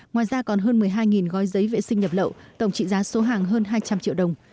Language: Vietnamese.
ngoài ra còn hơn một mươi hai gói giấy vệ sinh nhập lậu tổng trị giá số hàng hơn hai trăm linh triệu đồng